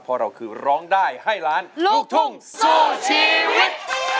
เพราะเราคือร้องได้ให้ล้านลูกทุ่งสู้ชีวิต